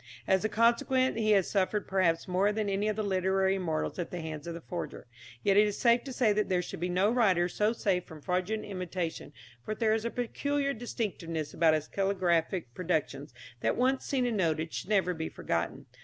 As a consequence he has suffered perhaps more than any of the literary immortals at the hands of the forger. Yet it is safe to say that there should be no writer so safe from fraudulent imitation, for there is a peculiar distinctiveness about his caligraphic productions that once seen and noted should never be forgotten.